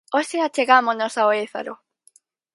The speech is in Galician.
Hoxe achegámonos ao Ézaro.